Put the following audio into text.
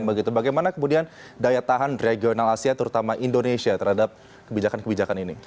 bagaimana kemudian daya tahan regional asia terutama indonesia terhadap kebijakan kebijakan ini